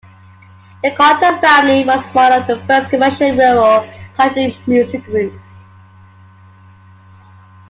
The Carter Family was one of the first commercial rural country music groups.